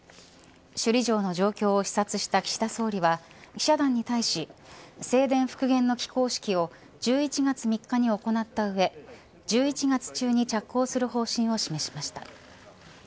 首里城の状況を視察した岸田総理は記者団に対し正殿復元の起工式を１１月３日に行った上１１月中に着工する方針を示しました。